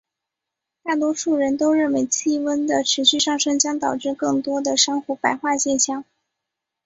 大多数人都认为气温的持续上升将导致更多的珊瑚白化现象。